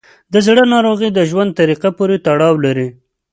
د زړه ناروغۍ د ژوند طریقه پورې تړاو لري.